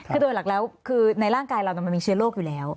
คือโดยหลักแล้วคือในร่างกายเรามันมีเชื้อโรคอยู่แล้ว